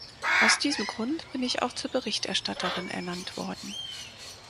Aus diesem Grund bin ich auch zur Berichterstatterin ernannt worden.